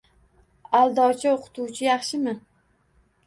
Aldovchi o'qituvchi yaxshimi?